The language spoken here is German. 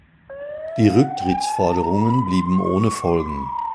Die Rücktrittsforderungen blieben ohne Folgen.